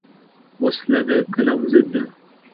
وسله د قلم ضد ده